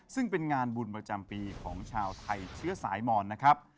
ซึ่งเป็นงานบุญประจำปีของชาวไทยเชื้อสายมอนนะครับ